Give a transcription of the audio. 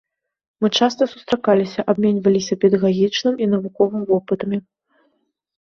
Мы часта сустракаліся, абменьваліся педагагічным і навуковым вопытамі.